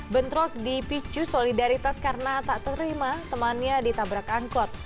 bentrok dipicu solidaritas karena tak terima temannya ditabrak angkot